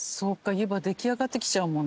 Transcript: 湯葉出来上がってきちゃうもんね。